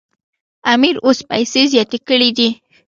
امیر اوس پیسې زیاتې کړي دي.